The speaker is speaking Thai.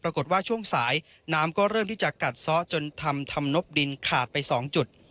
ช่วงสายน้ำก็เริ่มที่จะกัดซ้อจนทำทำนบดินขาดไป๒จุด